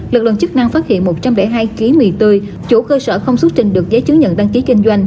lực lượng chức năng phát hiện một trăm linh hai kg mì tươi chủ cơ sở không xuất trình được giấy chứng nhận đăng ký kinh doanh